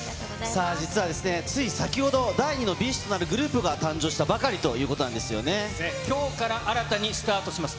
さあ実はですね、つい先ほど、第２のＢｉＳＨとなるグループが誕生したばかりということなんできょうから新たにスタートします。